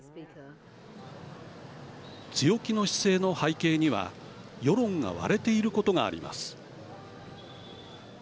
強気の姿勢の背景には世論が割れていることがあります。